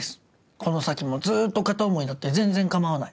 この先もずっと片思いだって全然構わない。